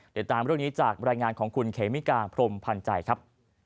เดี๋ยวตามเรื่องนี้จากบรรยายงานของคุณเขมิกาพรมพันธ์ใจครับ